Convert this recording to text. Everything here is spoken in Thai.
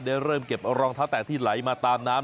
เริ่มเก็บรองเท้าแตะที่ไหลมาตามน้ำ